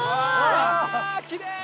うわきれい！